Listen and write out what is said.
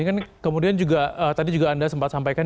ini kan kemudian juga tadi juga anda sempat sampaikan